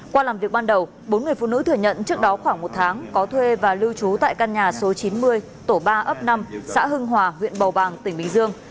qua làm việc ban đầu bốn người phụ nữ thừa nhận trước đó khoảng một tháng có thuê và lưu trú tại căn nhà số chín mươi tổ ba ấp năm xã hưng hòa huyện bầu bàng tỉnh bình dương